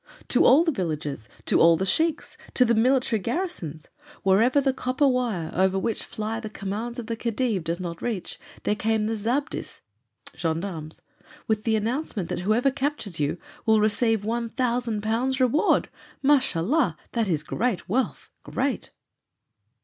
"To all the villages, to all the sheiks, to the military garrisons. Wherever the copper wire, over which fly the commands of the Khedive, does not reach, there came the 'zabdis' (gendarmes) with the announcement that whoever captures you will receive one thousand pounds reward. Mashallah! That is great wealth! Great!"